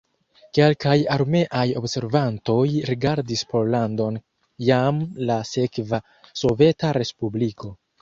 Kelkaj armeaj observantoj rigardis Pollandon jam la sekva soveta respubliko.